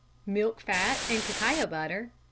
_ Milk Fat and Cacao Butter 35.